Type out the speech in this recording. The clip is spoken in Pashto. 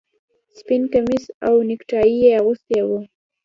سپین کمیس او نیکټايي یې اغوستي وو